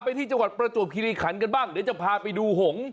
ที่จังหวัดประจวบคิริขันกันบ้างเดี๋ยวจะพาไปดูหง